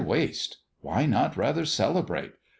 Why waste? Why not rather celebrate?